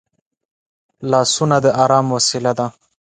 لاسونه د ارام وسیله ده